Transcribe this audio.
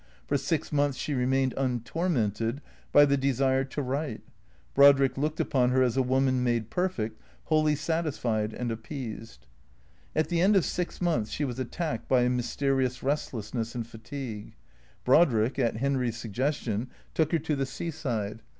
For six months she remained untormented by the desire to write. Brodrick looked upon her as a woman made perfect, wholly satisfied and appeased. At the end of six months she was attacked by a mysterious restlessness and fatigue. Brodrick, at Henry's suggestion, took her to the seaside.